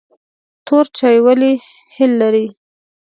تور چای ولې هل لري؟